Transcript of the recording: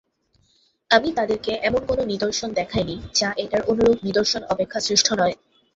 আমি তাদেরকে এমন কোন নিদর্শন দেখাইনি যা এটার অনুরূপ নিদর্শন অপেক্ষা শ্রেষ্ঠ নয়।